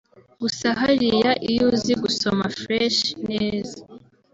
Gusa hariya iyo uzi gusoma fresh(neza)